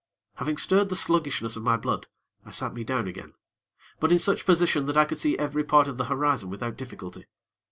Having stirred the sluggishness of my blood, I sat me down again; but in such position that I could see every part of the horizon without difficulty.